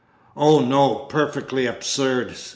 "Oh, no, perfectly absurd!"